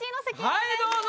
はいどうぞ！